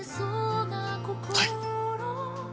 はい。